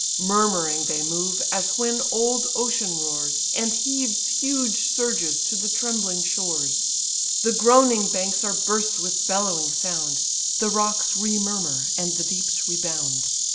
Murmuring they move, as when old ocean roars, And heaves huge surges to the trembling shores; The groaning banks are burst with bellowing sound, The rocks remurmur and the deeps rebound.